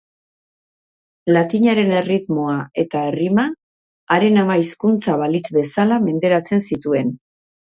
Latinaren erritmoa eta errima haren ama-hizkuntza balitz bezala menderatzen zituen.